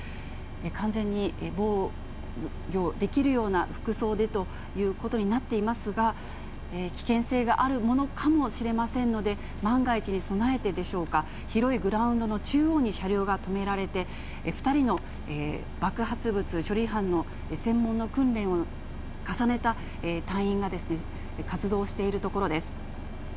完全に防御できるような服装でということになっていますが、危険性があるものかもしれませんので、万が一に備えてでしょうか、広いグラウンドの中央に車両が止められて、２人の爆発物処理班の専門の訓練を重ねた隊員が活動しているところです。